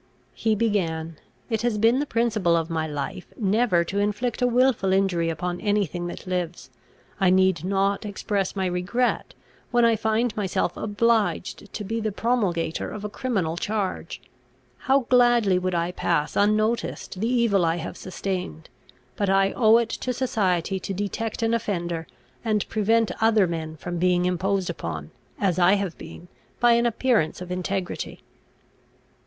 He began: "It has been the principle of my life, never to inflict a wilful injury upon any thing that lives; I need not express my regret, when I find myself obliged to be the promulgator of a criminal charge. How gladly would I pass unnoticed the evil I have sustained; but I owe it to society to detect an offender, and prevent other men from being imposed upon, as I have been, by an appearance of integrity."